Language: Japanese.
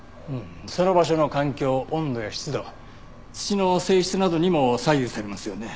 その場所の環境温度や湿度土の性質などにも左右されますよね。